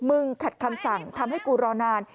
ขัดคำสั่งทำให้กูรอนาน